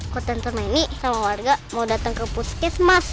kota ntona ini sama warga mau datang ke puskesmas